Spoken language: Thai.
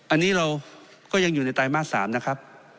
อันนี้เราก็ยังอยู่ในไตรมาส๓นะครับ